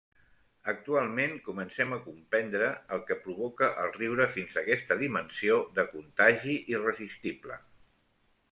Actualment comencem a comprendre el què provoca el riure fins aquesta dimensió de contagi irresistible.